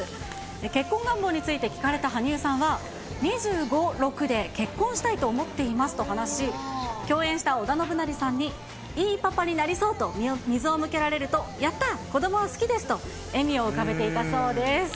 結婚願望について聞かれた羽生さんは、２５、６で結婚したいと思っていますと話し、共演した織田信成さんにいいパパになりそうと水を向けられると、やった、子どもは好きですと、笑みを浮かべていたそうです。